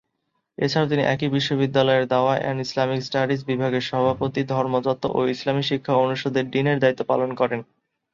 এছাড়াও তিনি একই বিশ্ববিদ্যালয়ের দা’ওয়াহ এন্ড ইসলামিক স্টাডিজ বিভাগের সভাপতি ধর্মতত্ত্ব ও ইসলামি শিক্ষা অনুষদের ডিনের দায়িত্ব পালন করেন।